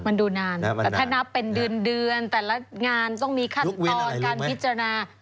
มันดูนานแต่ถ้านับเป็นเดือนแต่ละงานต้องมีขั้นตอนการพิจารณา